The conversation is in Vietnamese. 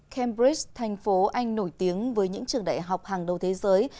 cambridge thành phố anh nổi tiếng với những trường đại học hàng đầu thế giới